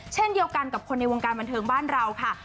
เช่นเดียวกันกับคนในวงการบันเทิงบ้านเราค่ะ